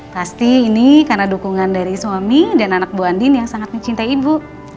pasti ini karena dukungan dari suami dan anak bu andin yang sangat mencintai ibu